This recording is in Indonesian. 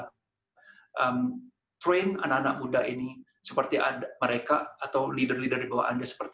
latihkan anak anak muda ini seperti mereka atau pemimpin di bawah anda